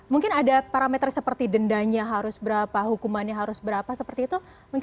mungkin ada parameter seperti dendanya harus berapa hukumannya harus berapa seperti itu